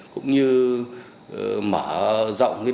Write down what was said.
cũng như mở rộng địa bàn